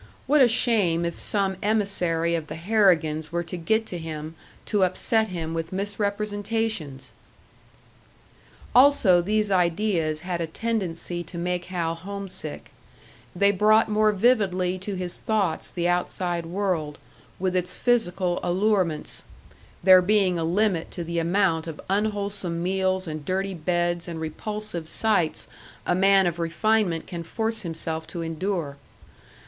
What a shame if some emissary of the Harrigans were to get to him to upset him with misrepresentations! Also these ideas had a tendency to make Hal homesick; they brought more vividly to his thoughts the outside world, with its physical allurements there being a limit to the amount of unwholesome meals and dirty beds and repulsive sights a man of refinement can force himself to endure.